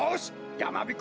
やまびこ